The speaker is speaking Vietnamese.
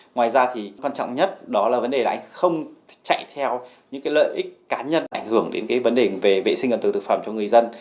ngoài ra thì quan trọng nhất đó là vấn đề là anh không chạy theo những cái lợi ích cá nhân ảnh hưởng đến cái vấn đề về vệ sinh an toàn thực phẩm cho người dân